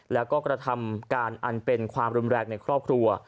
แล้วก็กระทำการอันเป็นความรุนแรงในครอบครัว